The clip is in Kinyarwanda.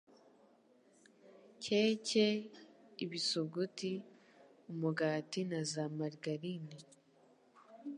keke, ibisuguti, umugati na za marigarine,